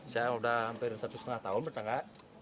saya udah hampir satu setengah tahun bertangga